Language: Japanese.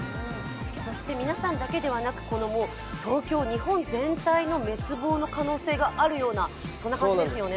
そして皆さんだけではなくもう東京、日本全体の滅亡の可能性があるような感じですよね。